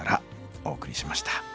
お送りしました。